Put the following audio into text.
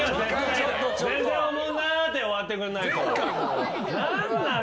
「全然おもんなー」で終わってくんないと。